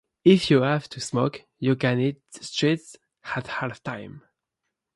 If you have to smoke, you can hit the streets at half time.